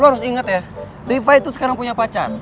lo harus inget ya rifqi itu sekarang punya pacar